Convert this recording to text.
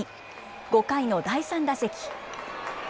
５回の第３打席。